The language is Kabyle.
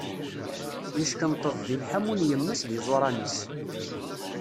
Yeckenṭeḍ di lḥammu n yemma-s d yiẓuṛan-is.